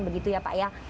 begitu ya pak ya